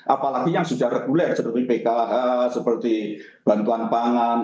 apalagi yang sudah reguler seperti pkh seperti bantuan pangan